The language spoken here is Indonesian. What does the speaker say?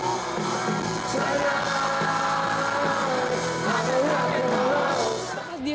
bagaimana perasaan ketika menghadapi penyakit